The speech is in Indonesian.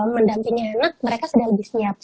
mendampingi anak mereka sudah lebih siap